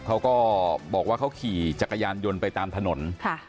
เขาก็บอกว่าเขาขี่จักรยานยนต์ไปตามถนน